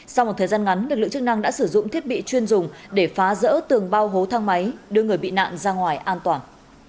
sau một thời gian ngắn lực lượng chức năng đã sử dụng thiết bị chuyên dùng để phá rỡ tường bao hố thang máy đưa người bị nạn ra ngoài an toàn